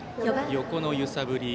横の揺さぶり。